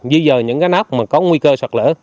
duy dờ những cái nắp mà có nguy cơ sạc lỡ